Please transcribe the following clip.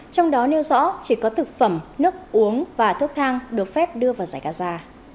trong đó nêu rõ chỉ có thực phẩm nước uống và thuốc thang được phép đưa vào giải gaza